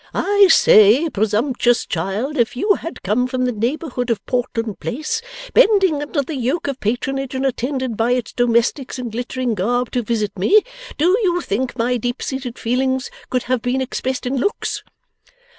'I say, presumptuous child, if you had come from the neighbourhood of Portland Place, bending under the yoke of patronage and attended by its domestics in glittering garb to visit me, do you think my deep seated feelings could have been expressed in looks?